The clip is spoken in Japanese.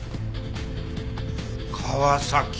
「川崎」。